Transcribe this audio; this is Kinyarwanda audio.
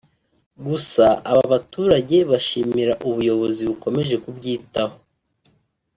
Gusa aba baturage bashimira ubuyobozi bukomeje kubyitaho